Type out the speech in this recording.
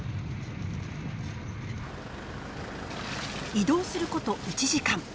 移動する事１時間。